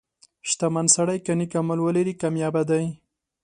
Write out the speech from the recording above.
• شتمن سړی که نیک عمل ولري، کامیابه دی.